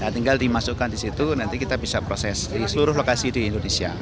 tinggal dimasukkan di situ nanti kita bisa proses di seluruh lokasi di indonesia